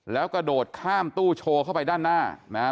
แล้วกระโดดข้ามตู้โชว์เข้าไปด้านหน้านะฮะ